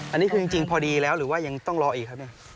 อันนี้คือจริงพอดีแล้วหรือว่ายังต้องรออีกครับเนี่ย